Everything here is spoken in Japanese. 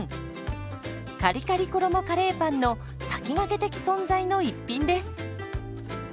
カリカリ衣カレーパンの先駆け的存在の一品です。